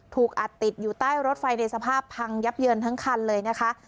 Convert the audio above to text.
ถูกอัดติดอยู่ใต้รถไฟในสภาพพังยับเยินทั้งคันเลยนะคะ